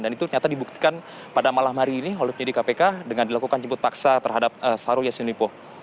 dan itu ternyata dibuktikan pada malam hari ini oleh penyidik kpk dengan dilakukan jemput paksa terhadap sarawak sini liku